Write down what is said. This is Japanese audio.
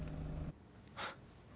フッ。